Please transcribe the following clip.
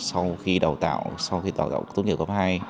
sau khi đào tạo sau khi đào tạo tốt nghiệp cấp hai